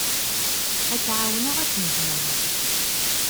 Ad k-εawneɣ akken zemreɣ.